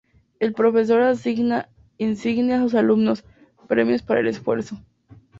El profesor asigna insignias a sus alumnos, premios para el esfuerzo.